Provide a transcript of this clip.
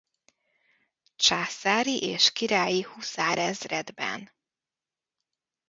Császári és Királyi huszárezredben.